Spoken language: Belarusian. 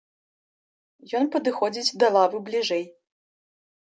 Ён падыходзіць да лавы бліжэй.